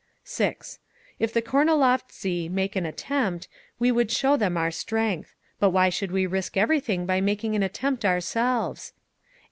"6. If the Kornilovtsi make an attempt, we would show them our strength. But why should we risk everything by making an attempt ourselves?